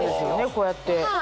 こうやって。